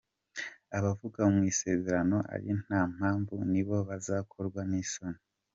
Abava mu isezerano ari nta mpamvu, Ni bo bazakorwa n’isoni.